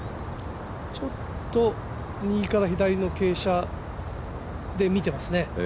ちょっと右から左の傾斜で見ていますね。